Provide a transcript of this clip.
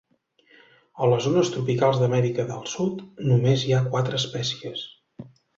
A les zones tropicals d'Amèrica del Sud només hi ha quatre espècies.